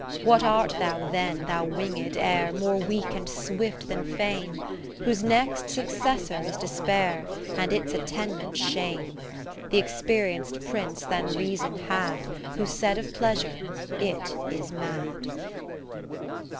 V What art thou then, thou winged air, More weak and swift than Fame ? Whose next successor is Despair, And its attendant Shame. Th' experienc'd Prince then reason had, Who said of pleasure, It is mad.